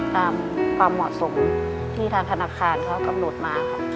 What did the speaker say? ตามความเหมาะสมที่ทางธนาคารเขากำหนดมาครับ